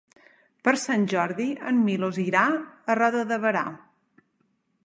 Per Sant Jordi en Milos irà a Roda de Berà.